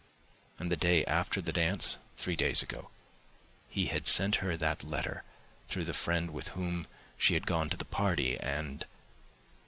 And the day after the dance (three days ago) he had sent her that letter through the friend with whom she had gone to the party ... and